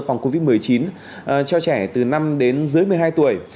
phòng covid một mươi chín cho trẻ từ năm đến dưới một mươi hai tuổi